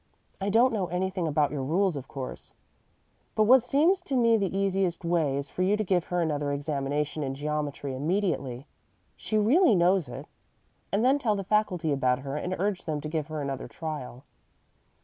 I don't know anything about your rules, of course, but what seems to me the easiest way is for you to give her another examination in geometry immediately, she really knows it, and then tell the faculty about her and urge them to give her another trial."